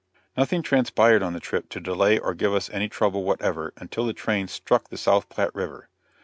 Nothing transpired on the trip to delay or give us any trouble whatever, until the train struck the South Platte river.